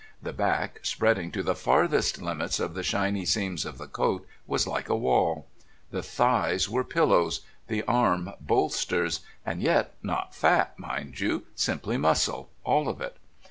The back, spreading to the farthest limits of the shiny seams of the coat, was like a wall. The thighs were pillows, the arms bolsters and yet not fat, mind you, simply muscle, all of it.